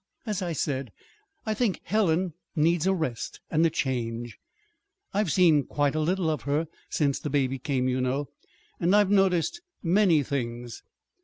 "As I said, I think Helen needs a rest and a change. I've seen quite a little of her since the baby came, you know, and I've noticed many things.